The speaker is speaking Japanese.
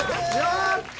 やった！